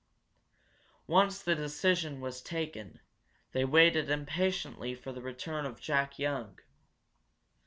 Once the decision was taken, they waited impatiently for the return of Jack Young.